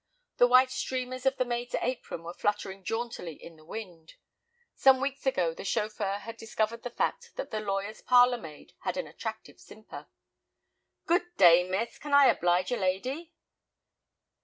The white streamers of the maid's apron were fluttering jauntily in the wind. Some weeks ago the chauffeur had discovered the fact that the lawyer's parlor maid had an attractive simper. "Good day, miss; can I oblige a lady?"